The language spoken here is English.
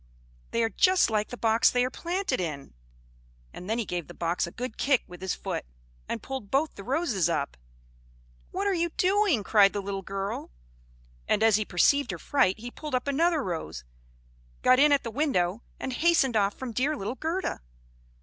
They are just like the box they are planted in!" And then he gave the box a good kick with his foot, and pulled both the roses up. "What are you doing?" cried the little girl; and as he perceived her fright, he pulled up another rose, got in at the window, and hastened off from dear little Gerda.